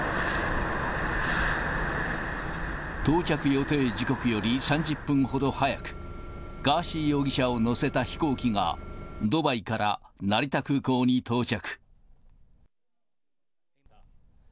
到着予定時刻より３０分ほど早く、ガーシー容疑者を乗せた飛行機がドバイから成田空港に到着。